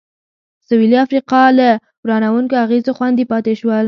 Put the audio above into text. سوېلي افریقا له ورانوونکو اغېزو خوندي پاتې شول.